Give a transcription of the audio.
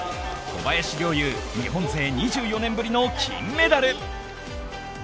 小林陵侑、日本勢２４年ぶりの金メダル。